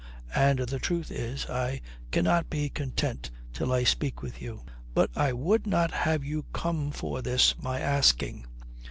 And the truth is, I cannot be content till I speak with you. But I would not have you come for this my asking.